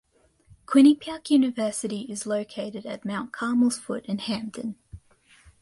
Quinnipiac University is located at Mount Carmel's foot in Hamden.